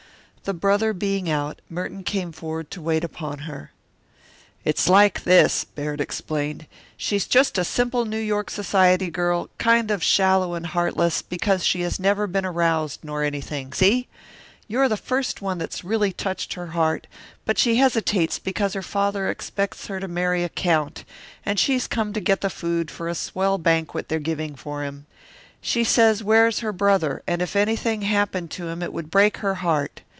The brother being out, Merton came forward to wait upon her. "It's like this," Baird explained. "She's just a simple New York society girl, kind of shallow and heartless, because she has never been aroused nor anything, see? You're the first one that's really touched her heart, but she hesitates because her father expects her to marry a count and she's come to get the food for a swell banquet they're giving for him. She says where's her brother, and if anything happened to him it would break her heart.